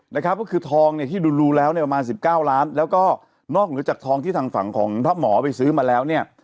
นะครับก็คือทองเนี่ยที่ดูแล้วเนี่ยประมาณสิบเก้าล้านแล้วก็นอกเหนือจากทองที่ทางฝั่งของพระหมอไปซื้อมาแล้วเนี่ย